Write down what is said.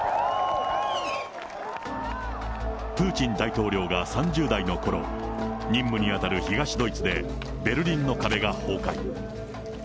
プーチン大統領が３０代のころ、任務に当たる東ドイツでベルリンの壁が崩壊。